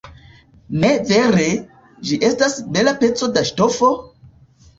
Ne vere, ĝi estas bela peco da ŝtofo?